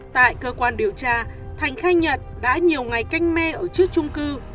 tại cơ quan điều tra thành khai nhận đã nhiều ngày canh me ở trước trung cư